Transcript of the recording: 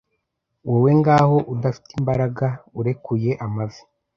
Wowe ngaho, udafite imbaraga, urekuye amavi,